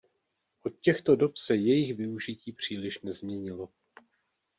Od těchto dob se jejich využití příliš nezměnilo.